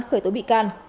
khởi tố bị can